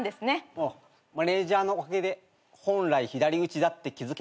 マネージャーのおかげで本来左打ちだって気付けたからさ。